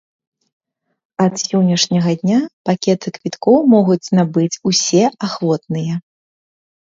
Ад сённяшняга дня пакеты квіткоў могуць набыць усе ахвотныя.